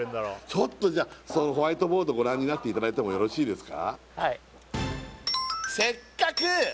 ちょっとじゃあそのホワイトボードご覧になっていただいてもよろしいですか？